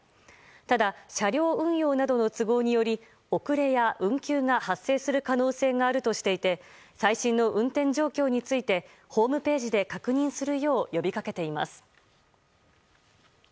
ただ、車両運用などの都合により遅れや運休が発生する可能性があるとしていて最新の運転状況についてホームページで確認するよう、呼びかけています。